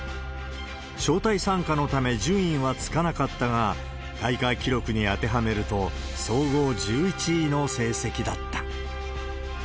招待参加のため順位はつかなかったが、大会記録に当てはめると、総合１１位の成績だった。